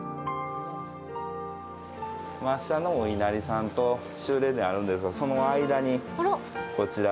末社のお稲荷さんと衆霊殿あるんですがその間にこちら。